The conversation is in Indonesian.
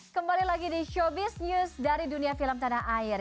kembali lagi di showbiz news dari dunia film tanah air